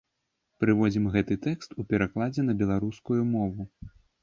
Прыводзім гэты тэкст у перакладзе на беларускую мову.